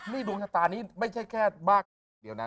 นี่ดวงชะตานี้ไม่ใช่แค่บ้าเดี๋ยวนะ